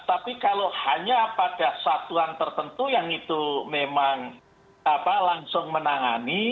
tapi kalau hanya pada satuan tertentu yang itu memang langsung menangani